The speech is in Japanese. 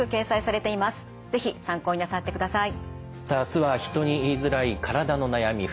さあ明日は「人に言いづらい体の悩み」